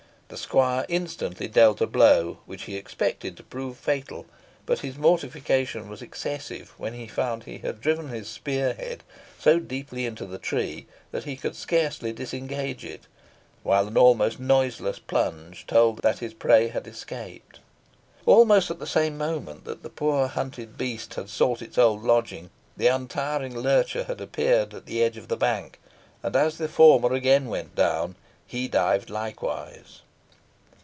The squire instantly dealt a blow which he expected to prove fatal, but his mortification was excessive when he found he had driven the spear head so deeply into the tree that he could scarcely disengage it, while an almost noiseless plunge told that his prey had escaped. Almost at the same moment that the poor hunted beast had sought its old lodging, the untiring lurcher had appeared at the edge of the bank, and, as the former again went down, he dived likewise.